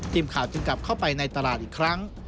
ทีมข่าวจึงกลับเข้าไปในตลาดอีกครั้ง